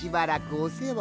おせわ！？